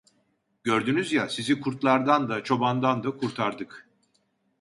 Gördünüz ya, sizi kurtlardan da, çobandan da kurtardık!